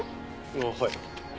ああはい。